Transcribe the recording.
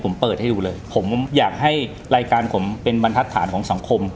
ผมเปิดให้ดูเลยผมอยากให้รายการผมเป็นบรรทัศนของสังคม